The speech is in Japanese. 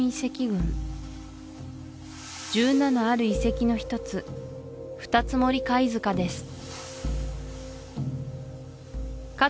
群１７ある遺跡の１つ二ツ森貝塚ですか